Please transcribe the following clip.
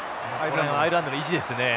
これアイルランドの意地ですね。